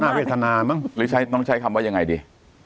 เวทนามั้งหรือใช้ต้องใช้คำว่ายังไงดี